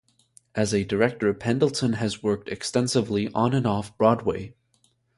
As a director, Pendleton has worked extensively on and off-Broadway.